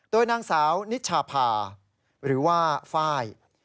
โดยนางสาวนิชภาหรือว่าไฟล์